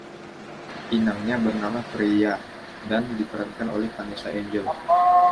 Inangnya bernama Freyja, dan diperankan oleh Vanessa Angel.